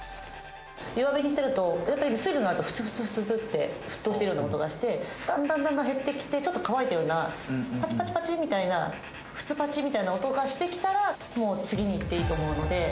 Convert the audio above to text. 「弱火にしてると水分がフツフツフツフツって沸騰してるような音がしてだんだんだんだん減ってきてちょっと乾いたようなパチパチパチみたいなフツパチみたいな音がしてきたらもう次にいっていいと思うので」